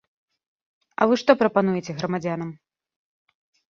А вы што прапануеце грамадзянам?